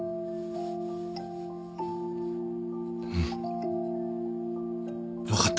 うん分かった